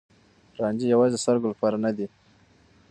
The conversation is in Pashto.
رانجه يوازې د سترګو لپاره نه دی.